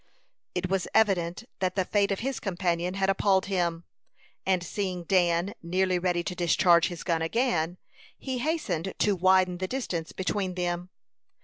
It was evident that the fate of his companion had appalled him; and seeing Dan nearly ready to discharge his gun again, he hastened to widen the distance between them.